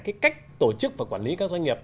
cái cách tổ chức và quản lý các doanh nghiệp